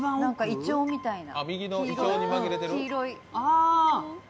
イチョウみたいな黄色い。